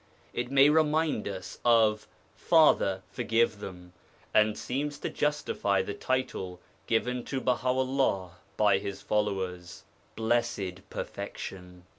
It may remind us of 'Father, forgive them,' and seems to justify the title given to Baha 'ullah by his followers, 'Blessed Perfection.'